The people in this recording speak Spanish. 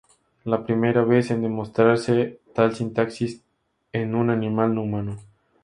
La primera vez en demostrarse tal sintaxis en un animal no humano.